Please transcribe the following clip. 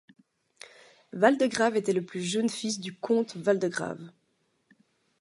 Waldegrave était le plus jeune fils du comte Waldegrave.